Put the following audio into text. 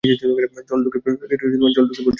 জল ঢুকে পড়ছে তো!